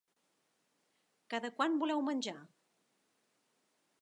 Cada quant voleu menjar?